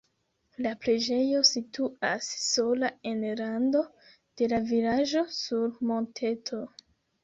La preĝejo situas sola en rando de la vilaĝo sur monteto.